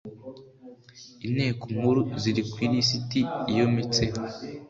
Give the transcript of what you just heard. inteko nkuru ziri ku ilisiti iyometseho .